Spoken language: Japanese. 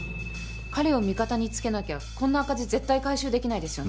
彼を味方につけなきゃこんな赤字絶対回収できないですよね？